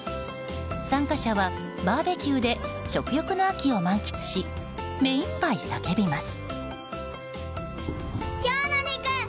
参加者はバーベキューで食欲の秋を満喫し目いっぱい叫びます。